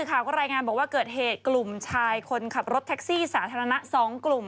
วันนี้ก็รายงานเรียนเป็นเกิดเกรตทักซี่สาธารณะสองกลุ่ม